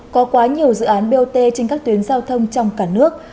có quá nhiều dự án bot trên các tuyến giao thông trong cả nước